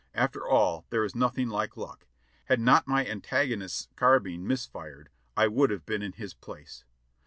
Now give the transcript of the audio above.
After all, there is nothing like luck; had not my antagonist's carbine missed fire, I would have been in his place.